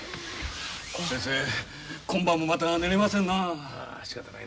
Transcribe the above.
先生今晩もまた寝れませんな。